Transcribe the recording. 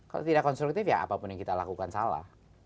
kalau tidak konstruktif ya apapun yang kita lakukan salah